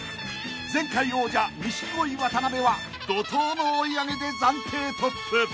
［前回王者錦鯉渡辺は怒濤の追い上げで暫定トップ］